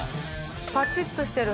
パチッとしてる。